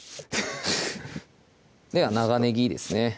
フフッでは長ねぎですね